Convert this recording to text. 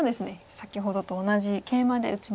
先ほどと同じケイマで打ちましたね。